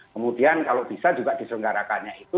kemudian kalau bisa juga diselenggarakannya itu